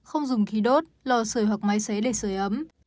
không dùng khí đốt lò sửa hoặc máy xế để sửa ấm